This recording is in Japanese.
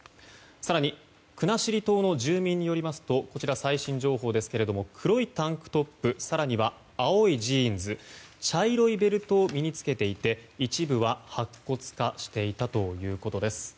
更に国後島の住民によりますとこちら最新情報ですが黒いタンクトップ更には青いジーンズ茶色いベルトを身に着けていて一部は白骨化していたということです。